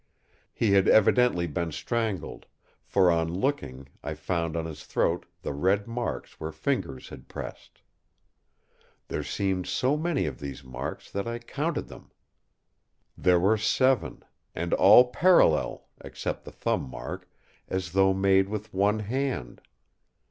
He had evidently been strangled; for on looking, I found on his throat the red marks where fingers had pressed. There seemed so many of these marks that I counted them. There were seven; and all parallel, except the thumb mark, as though made with one hand.